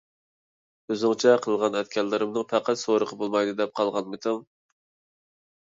ئۆزۈڭچە قىلغان - ئەتكەنلىرىمنىڭ پەقەت سورىقى بولمايدۇ، دەپ قالغانمىدىڭ؟